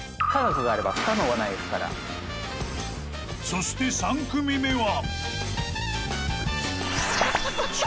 ［そして３組目は］ＯＫ！